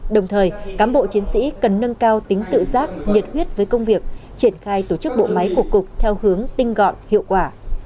đồng thời cán bộ chiến sĩ cần nâng cao tính tự giác nhiệt huyết với công việc triển khai tổ chức bộ máy của cục theo hướng tinh gọn hiệu quả